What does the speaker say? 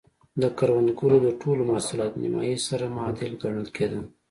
د کروندګرو د ټولو محصولاتو له نییمایي سره معادل ګڼل کېدل.